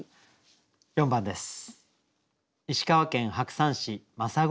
４番です。